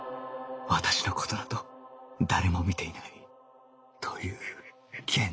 私の事など誰も見ていないという現実を